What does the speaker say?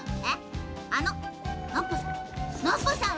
あのノッポさん。